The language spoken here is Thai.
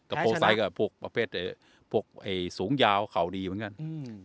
กับโพไซก็พวกประเภทพวกไอ้สูงยาวเขาดีเหมือนกันอืม